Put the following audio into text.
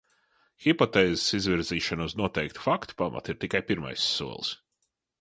Hipotēzes izvirzīšana uz noteiktu faktu pamata ir tikai pirmais solis.